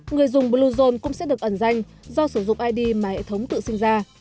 người dùng bluezone cũng sẽ được ẩn danh do sử dụng id mà hệ thống tự sinh ra